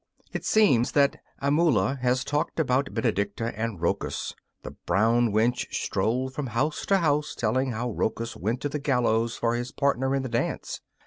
It seems that Amula has talked about Benedicta and Rochus. The brown wench strolled from house to house telling how Rochus went to the gallows for his partner in the dance.